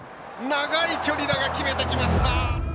長い距離だが決めてきました！